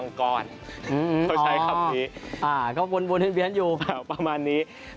เหงราชบุรีจะไปเขาเรียกว่าอยู่ในคราบของบังกอง